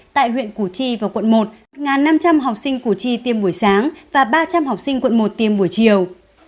tại huyện củ chi và quận một năm trăm linh học sinh củ chi tiêm buổi sáng và ba trăm linh học sinh quận một tiêm buổi chiều